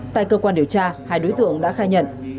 tại cơ quan điều tra hai đối tượng đã khai nhận